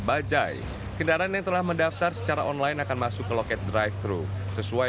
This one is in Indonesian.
bajai kendaraan yang telah mendaftar secara online akan masuk ke loket drive thru sesuai